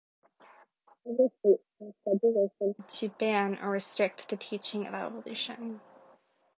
Several states passed legislation to ban or restrict the teaching of evolution.